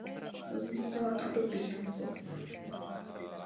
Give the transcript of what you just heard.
Vychází se přitom ze znalosti chování tepelných kapacit při změnách teploty.